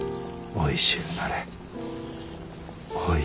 おいしゅうなれ。